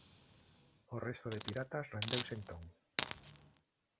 O resto de piratas rendeuse entón.